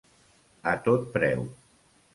A tot preu.